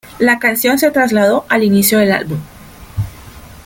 La canción se trasladó al inicio del álbum.